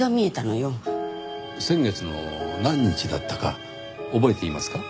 先月の何日だったか覚えていますか？